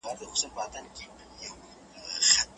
هغه وویل چې زه له خپلې دندې خوښ یم.